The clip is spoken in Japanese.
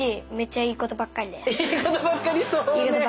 いいことばっかり。